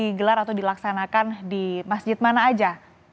digelar atau dilaksanakan di masjid mana aja